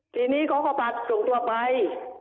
ทีนี้เขาก็ผัดส่งตัวไป